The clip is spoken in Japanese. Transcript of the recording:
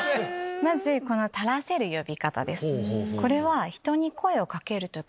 まずたらせる呼び方です。